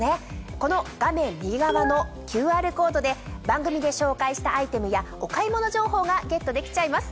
この画面右側のＱＲコードで番組で紹介したアイテムやお買い物情報がゲットできちゃいます。